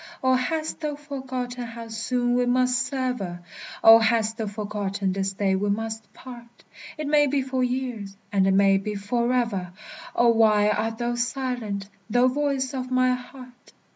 Oh, hast thou forgotten how soon we must sever? Oh! hast thou forgotten this day we must part? It may be for years, and it may be forever! Oh, why art thou silent, thou voice of my heart?